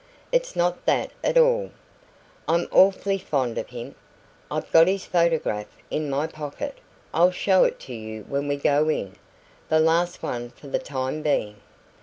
"It's not that at all. I'm awfully fond of him. I've got his photograph in my pocket I'll show it to you when we go in the last one for the time being.